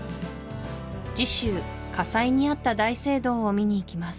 次週火災にあった大聖堂を見にいきます